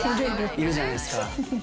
いるじゃないですか。